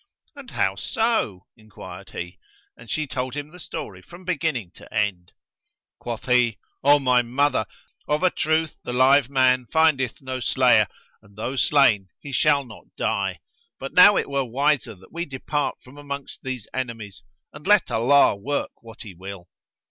"And how so?" enquired he, and she told him the story from beginning to end. Quoth he, "O my mother, of a truth the live man findeth no slayer, and though slain he shall not die; but now it were wiser that we depart from amongst these enemies and let Allah work what He will."